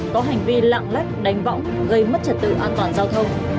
có hành vi lạng lách đánh võng gây mất trật tự an toàn giao thông